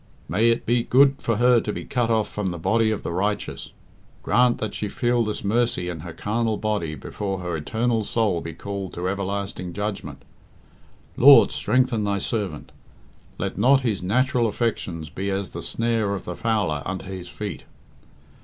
May it be good for her to be cut off from the body of the righteous. Grant that she feel this mercy in her carnal body before her eternal soul be called to everlasting judgment. Lord, strengthen Thy servant. Let not his natural affections be as the snare of the fowler unto his feet.